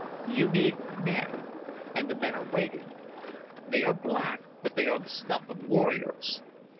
"You need men, and the men are waiting. They are black, but they are the stuff of warriors.